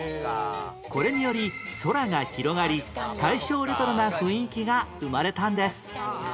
これにより空が広がり大正レトロな雰囲気が生まれたんです